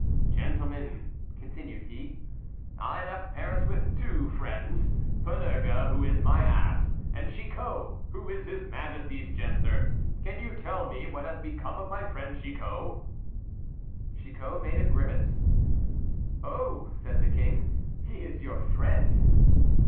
Gentlemen," continued he, "I left Paris with two friends; Panurge, who is my ass, and Chicot, who is his majesty's jester. Can you tell me what has become of my friend Chicot?" Chicot made a grimace. "Oh," said the king, "he is your friend."